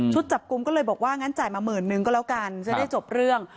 จับกลุ่มก็เลยบอกว่างั้นจ่ายมาหมื่นนึงก็แล้วกันจะได้จบเรื่อง